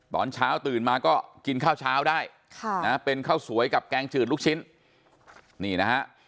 ตอนเช้าตื่นมาก็กินข้าวเช้าได้เป็นข้าวสวยกับแกงจืดลูกชิ้น